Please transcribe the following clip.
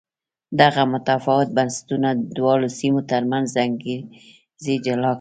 دغه متفاوت بنسټونه د دواړو سیمو ترمنځ انګېزې جلا کړې.